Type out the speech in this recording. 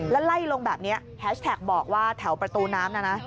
แล้วไล่ลงแบบนี้แฮชแท็กบอกว่าแถวประตูน้ำนะนะ